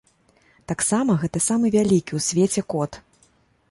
Таксама гэта самы вялікі ў свеце кот.